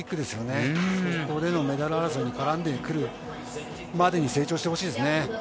そこでのメダル争いに絡んでくるまでに成長してほしいですね。